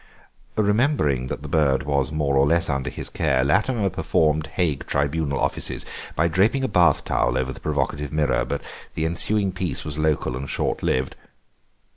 Remembering that the bird was more or less under his care Latimer performed Hague Tribunal offices by draping a bath towel over the provocative mirror, but the ensuing peace was local and short lived.